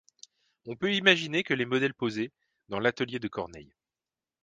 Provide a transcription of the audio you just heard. On peut imaginer que les modèles posaient dans l'atelier de Corneille.